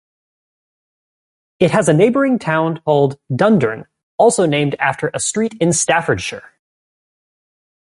It has a neighbouring town called Dundurn, also named after a street in Staffordshire.